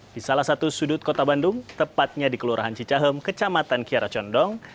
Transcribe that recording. di salah satu sudut kota bandung tepatnya di kelurahan cicahem kecamatan kiara condong